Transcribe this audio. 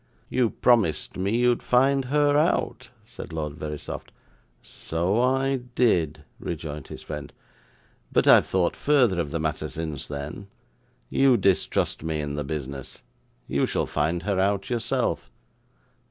'You promised me you'd find her out,' said Lord Verisopht. 'So I did,' rejoined his friend; 'but I have thought further of the matter since then. You distrust me in the business you shall find her out yourself.